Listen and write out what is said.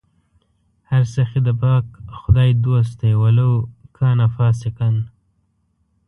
هر سخي د پاک خدای دوست دئ ولو کانَ فاسِقا